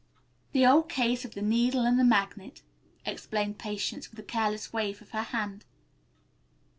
"The old case of the needle and the magnet," explained Patience with a careless wave of her hand.